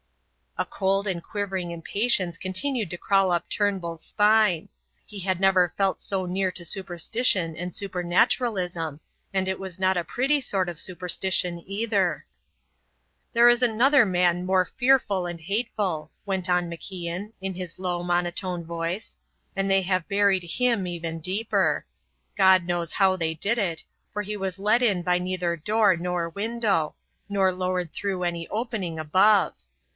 A cold and quivering impatience continued to crawl up Turnbull's spine; he had never felt so near to superstition and supernaturalism, and it was not a pretty sort of superstition either. "There is another man more fearful and hateful," went on MacIan, in his low monotone voice, "and they have buried him even deeper. God knows how they did it, for he was let in by neither door nor window, nor lowered through any opening above.